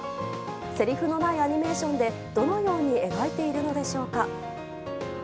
せりふのないアニメーションでどのように描いているのでしょうか。